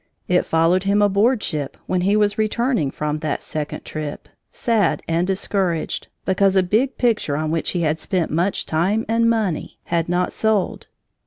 It followed him aboard ship when he was returning from that second trip, sad and discouraged, because a big picture on which he had spent much time and money had not sold.